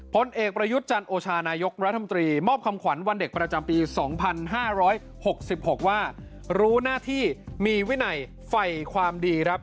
ผลเอกประยุทธ์จันโอชานายกรัฐมนตรีมอบคำขวัญวันเด็กประจำปี๒๕๖๖ว่ารู้หน้าที่มีวินัยไฟความดีครับ